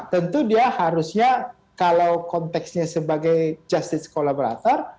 tentu dia harusnya kalau konteksnya sebagai justice collaborator